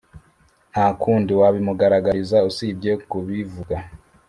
Ntakundi wabimugaragariza usibye kubivuga